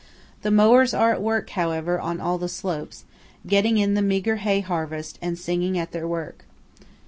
The mowers are at work, however, on all the slopes, getting in the meagre hay harvest and singing at their work.